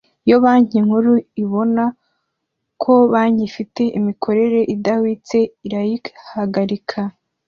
Iyo Banki Nkuru ibona ko banki ifite imikorere idahwitse irayihagarika